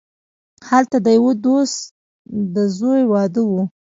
هلته د یوه دوست د زوی واده وو.